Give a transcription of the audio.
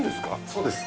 そうです。